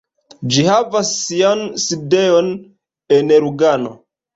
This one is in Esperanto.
Ĝi havas sian sidejon en Lugano.